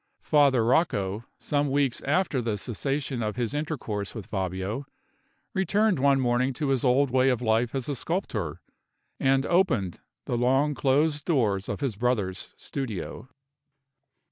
Father Rocco, some weeks after the cessation of his intercourse with Fabio, returned one morning to his old way of life as a sculptor, and opened the long closed doors of his brother's studio.